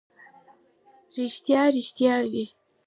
ریښتیا، ریښتیا وي.